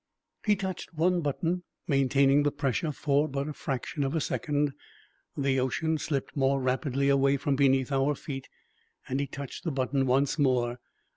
He touched one button, maintaining the pressure for but a fraction of a second. The ocean slipped more rapidly away from beneath our feet and he touched the button once more.